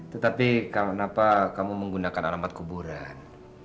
tetapi kamu menggunakan alamat kuburan